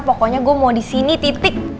pokoknya gue mau di sini titik